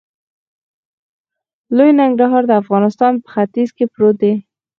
لوی ننګرهار د افغانستان په ختیځ کې پروت دی.